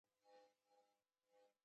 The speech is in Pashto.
د دسترخوان ځای باید د فوارې څنګ ته وي.